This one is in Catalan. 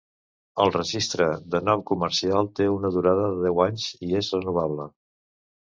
El registre de nom comercial té una durada de deu anys i és renovable.